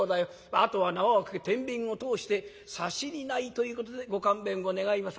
「あとは縄をかけ天秤を通して差し荷いということでご勘弁を願います」。